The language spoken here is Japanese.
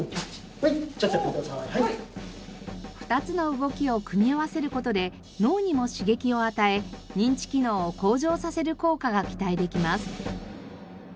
２つの動きを組み合わせる事で脳にも刺激を与え認知機能を向上させる効果が期待できます。